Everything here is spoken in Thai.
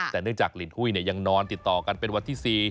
แต่เนื่องจากลินหุ้ยยังนอนติดต่อกันเป็นวันที่๔